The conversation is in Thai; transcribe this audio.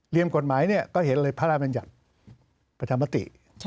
เหลี่ยมกฎหมายก็เห็นอะไรพระราชบัญญัติปัชธรรมติ